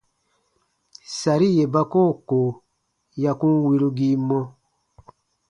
Sari yè ba koo ko ya kun wirugii mɔ.